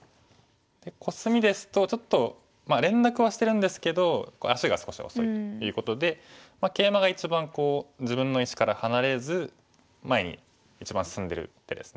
コスミですとちょっと連絡はしてるんですけど足が少し遅いということでケイマが一番自分の石から離れず前に一番進んでる手です。